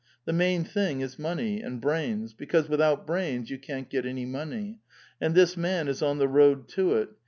The main thing is money, and brains, because without brains you can't get any money. And this man is on the road to it.